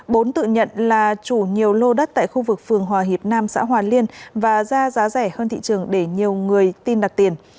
bốn tự nhận là chủ nhiều lô đất tại khu vực phường hòa hiệp nam xã hòa liên và ra giá rẻ hơn thị trường để nhiều người tin đặt tiền